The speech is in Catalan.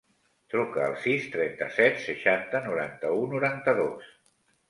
Truca al sis, trenta-set, seixanta, noranta-u, noranta-dos.